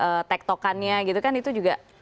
terus kemudian ada yang tektokannya gitu kan itu juga